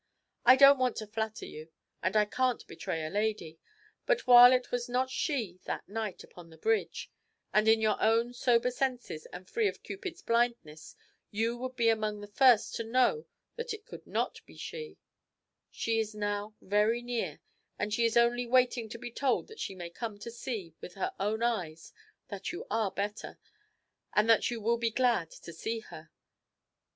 I don't want to flatter you, and I can't betray a lady; but while it was not she that night upon the bridge and in your own sober senses and free of Cupid's blindness you would be among the first to know that it could not be she she is now very near, and she is only waiting to be told that she may come to see, with her own eyes, that you are better, and that you will be glad to see her.'